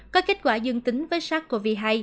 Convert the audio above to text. có kết quả dương tính với sars cov hai